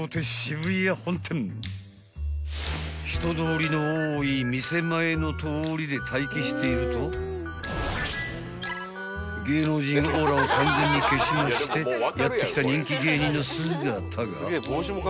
［人通りの多い店前の通りで待機していると芸能人オーラを完全に消しましてやって来た人気芸人の姿が］